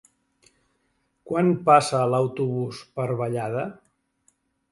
Quan passa l'autobús per Vallada?